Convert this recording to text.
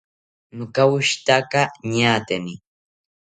Nokawoshitaka ñaateni